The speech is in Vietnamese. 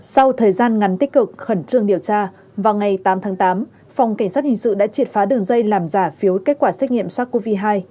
sau thời gian ngắn tích cực khẩn trương điều tra vào ngày tám tháng tám phòng cảnh sát hình sự đã triệt phá đường dây làm giả phiếu kết quả xét nghiệm sars cov hai